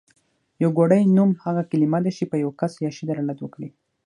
يوګړی نوم هغه کلمه ده چې په يو کس يا شي دلالت وکړي.